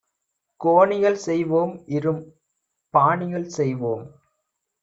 கோணிகள்செய் வோம் இரும் பாணிகள் செய்வோம்